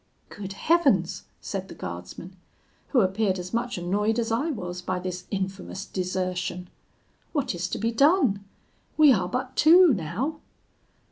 "'Good heavens!' said the guardsman, who appeared as much annoyed as I was by this infamous desertion, 'what is to be done? we are but two now.'